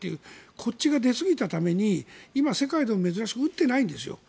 こっちが出すぎたために今、世界でも珍しく打ってないんです。